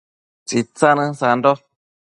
Tsitsanën sando